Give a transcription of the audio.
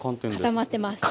固まってますね。